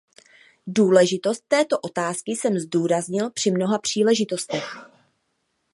Důležitost této otázky jsem zdůraznil při mnoha příležitostech.